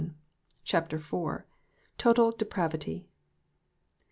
43 CHAPTER IV. "TOTAL DEPRAVITY."